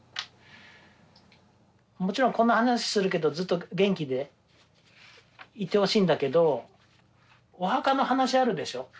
もちろんこんな話するけどずっと元気でいてほしいんだけどお墓の話あるでしょ。